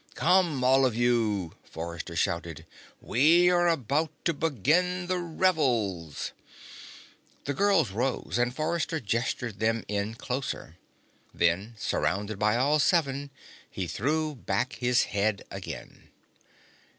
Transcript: "Come, all of you!" Forrester shouted. "We are about to begin the revels!" The girls rose and Forrester gestured them in closer. Then, surrounded by all seven, he threw back his head again.